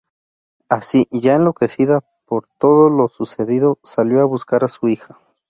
Así, ya enloquecida por todo lo sucedido, salió a buscar a su hija.